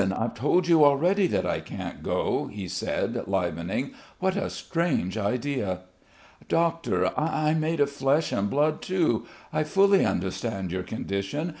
I've told you already that I can't go," he said, livening. "What a strange idea!" "Doctor, I'm made of flesh and blood, too. I fully understand your condition.